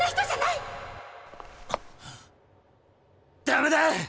ダメだ！